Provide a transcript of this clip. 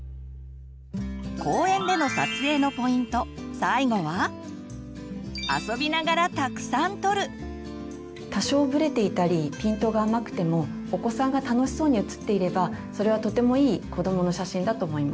最後は多少ブレていたりピントが甘くてもお子さんが楽しそうに写っていればそれはとてもいい子どもの写真だと思います。